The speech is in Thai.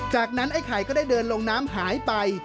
จากนั้นไอ้ไข่ก็ได้เดินลงน้ำหายไป